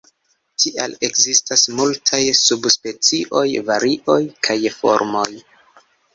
Tial ekzistas multaj subspecioj, varioj kaj formoj.